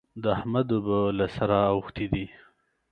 د احمد اوبه له سره اوښتې دي.